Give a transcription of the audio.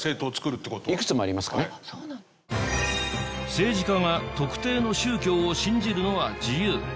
政治家が特定の宗教を信じるのは自由。